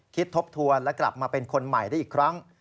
ทบทวนและกลับมาเป็นคนใหม่ได้อีกครั้ง